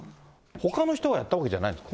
ほかの人がやったわけじゃないんです。